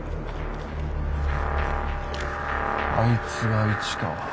あいつが市川？